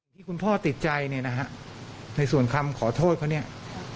ที่คุณพ่อติดใจในส่วนคำขอโทษเขา